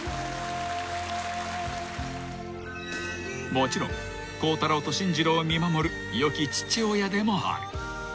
［もちろん孝太郎と進次郎を見守る良き父親でもある］